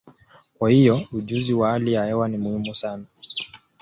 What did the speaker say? Kwa hiyo, ujuzi wa hali ya hewa ni muhimu sana.